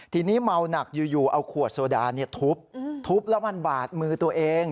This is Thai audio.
ทีนี้เมาหนักอยู่เอาขวดโซดาทุบทุบแล้วมันบาดมือตัวเอง